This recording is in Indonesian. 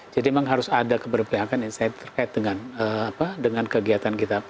jadi memang harus ada keberpilihakan yang terkait dengan kegiatan kita